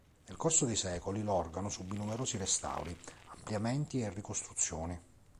Nel corso dei secoli l'organo subì numerosi restauri, ampliamenti e ricostruzioni.